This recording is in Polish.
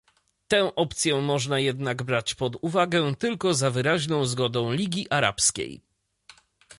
Tę opcję można jednak brać pod uwagę tylko za wyraźną zgodą Ligi Arabskiej